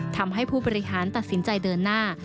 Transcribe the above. ทำให้ผู้บริหารตัดสินใจเดินหน้า